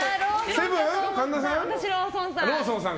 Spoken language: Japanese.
私はローソンさん。